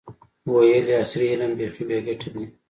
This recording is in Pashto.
ویل یې عصري علم بیخي بې ګټې دی.